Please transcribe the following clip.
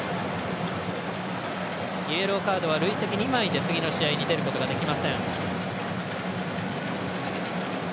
イエローカードは累積２枚で次の試合に出ることができません。